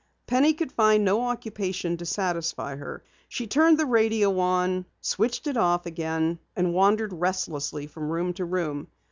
Penny could find no occupation to satisfy her. She turned the radio on, switched it off again, and wandered restlessly from room to room.